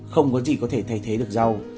không có gì có thể thay thế được rau